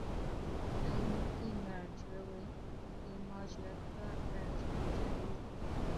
康定耳蕨为鳞毛蕨科耳蕨属下的一个种。